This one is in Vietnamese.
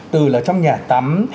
từ là trong nhà tắm